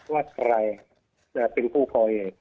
ว่าใครจะเป็นผู้ก่อเหตุ